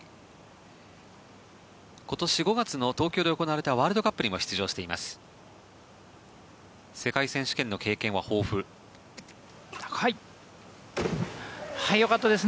今年５月の東京で行われたワールドカップにも出場しています。